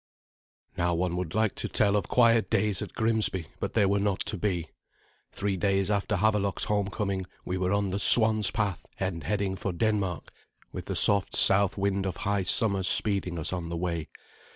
Now one would like to tell of quiet days at Grimsby; but they were not to be. Three days after Havelok's homecoming we were on the "swan's path," and heading for Denmark, with the soft south wind of high summer speeding us on the way.